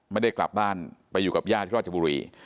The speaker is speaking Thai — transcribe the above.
ไม่ได้กลับบ้านไปอยู่กับญาติที่ราชบุรี